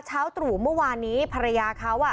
เช้าตรู่เมื่อวานนี้ภรรยาเขา